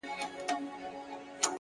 • ورته جوړ د هر پمن د خنجر وار وي ,